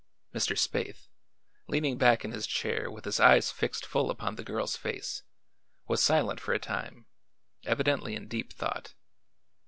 Mr. Spaythe, leaning back in his chair with his eyes fixed full upon the girl's face, was silent for a time, evidently in deep thought.